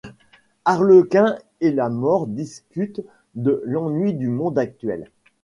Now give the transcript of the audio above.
Arlequin et La Mort discutent de l'ennui du monde actuel.